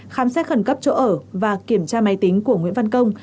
khám xét khẩn cấp chỗ ở và kiểm tra máy tính của nguyễn văn công